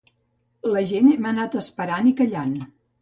La gent hem anat esperant i callant.